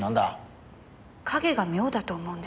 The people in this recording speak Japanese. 影が妙だと思うんです。